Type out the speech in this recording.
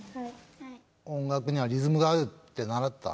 音楽にはリズムがあるって習った？